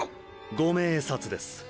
ご明察です。